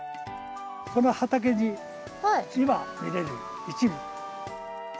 この畑に今見れる一部。